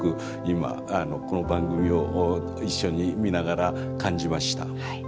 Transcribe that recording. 今この番組を一緒に見ながら感じました。